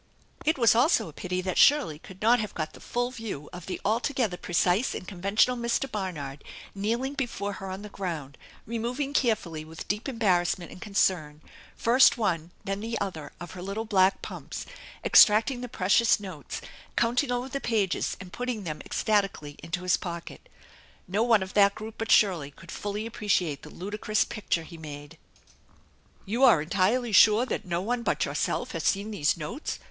It was also a pity that Shirley could not have got the full view of the altogether precise and conventional Mr. Barnard kneeling before her on the ground, removing carefully, with deep embarrassment and concern, first one, then the other, of her little black pumps, extracting the precious notes, counting over the pages and putting them ecstatically into his pocket. No one of that group but Shirley could fully appreciate the ludicrous picture he made. THE ENCHANTED BARN " You are entirely sure that no one but yourself has seen these notes